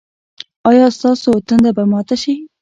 ایا ستاسو تنده به ماته شي؟